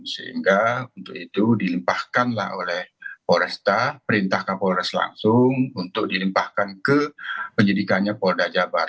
sehingga untuk itu dilimpahkanlah oleh polresta perintah kapolres langsung untuk dilimpahkan ke penyidikannya polda jabar